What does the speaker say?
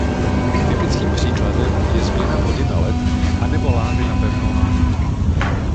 Typickým příkladem je změna vody na led a nebo lávy na pevnou horninu.